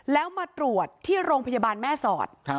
แล้วมาตรวจที่โรงพยาบาลแม่สอด